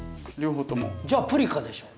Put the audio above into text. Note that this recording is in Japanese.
じゃあプリカでしょ。